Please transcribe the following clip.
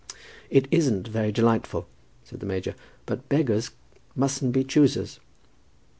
"It isn't very delightful," said the major, "but beggars mustn't be choosers."